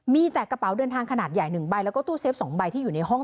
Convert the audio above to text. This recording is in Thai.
มีแต่กระเป๋าเดินทางขนาดใหญ่๑ใบแล้วก็ตู้เซฟ๒ใบที่อยู่ในห้อง